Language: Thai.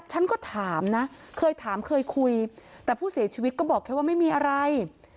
ฉันก็ถามนะเคยถามเคยคุยแต่ผู้เสียชีวิตก็บอกแค่ว่าไม่มีอะไร